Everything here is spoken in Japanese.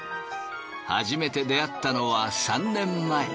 初めて出会ったのは３年前。